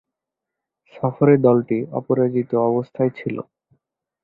সফরে দলটি অপরাজিত অবস্থায় ছিল।